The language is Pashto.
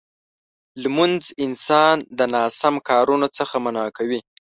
لمونځ انسان د ناسم کارونو څخه منع کوي.